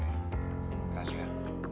terima kasih ya